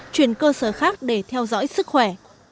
chuyển cơ sở khác để theo dõi sức khỏe